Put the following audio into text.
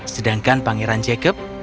sedangkan pangeran jacob